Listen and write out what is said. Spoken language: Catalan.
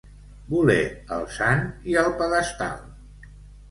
Voler el sant i el pedestal.